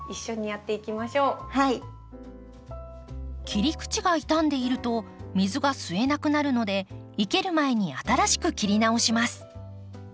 切り口が傷んでいると水が吸えなくなるので生ける前に新しく切り直します。